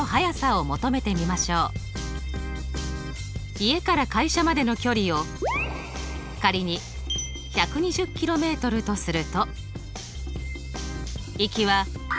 家から会社までの距離を仮に１２０ｋｍとすると。